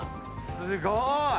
すごーい！